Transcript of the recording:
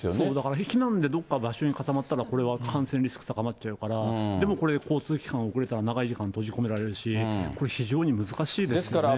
だから避難で、どっか場所に固まったら、これ、感染リスク高まっちゃうから、でもこれ、交通機関遅れたら、長い時間閉じ込められるし、非常に難しいですよね。